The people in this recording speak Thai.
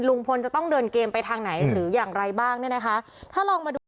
ลุงพลจะต้องเดินเกมไปทางไหนหรืออย่างไรบ้างนี่นะคะ